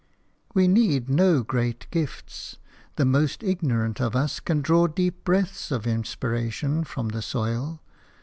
We need no great gifts – the most ignorant of us can draw deep breaths of inspiration from the soil.